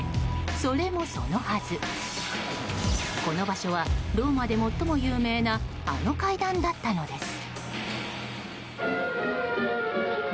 それもそのはず、この場所はローマで最も有名なあの階段だったのです。